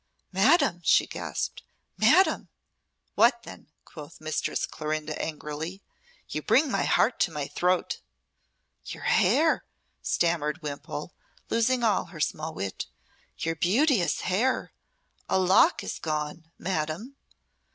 "Madam!" she gasped "madam!" "What then!" quoth Mistress Clorinda angrily. "You bring my heart to my throat!" "Your hair!" stammered Wimpole, losing all her small wit "your beauteous hair! A lock is gone, madam!"